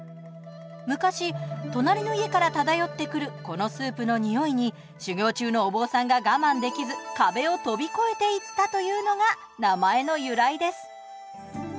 昔隣の家から漂ってくるこのスープの匂いに修行中のお坊さんが我慢できず壁を飛び越えていったというのが名前の由来です。